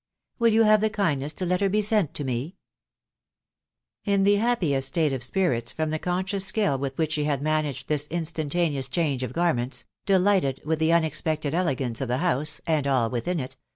.... Will; yew bate the kindness to tot her be sen t to me ? w •*• e> ♦♦ In &e happiest state of spirit* from the eentcSoos gfeHl with which she had managed this instantaneous change of gar ments *... delighted with the unexpedtedf elegance of the house, and all within it